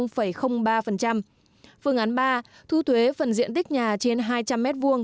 phương án ba thu thuế phần diện tích nhà trên hai trăm linh m hai